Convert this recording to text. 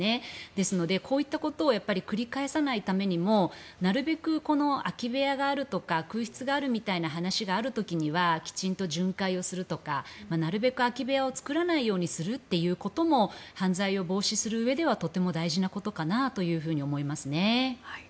ですので、こういったことを繰り返さないためにもなるべく空き部屋があるとか空室があるみたいな話がある時にはきちんと巡回をするとかなるべく空き部屋を作らないようにするということも犯罪を防止するうえではとても大事なことかなと思いますね。